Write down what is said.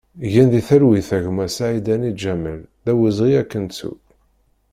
Gen di talwit a gma Saïdani Ǧamel, d awezɣi ad k-nettu!